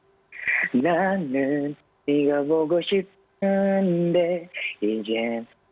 btw sudah pasti kamu sedang berpengalong dengan arsy karena aku sudah tak berwadis di indonesia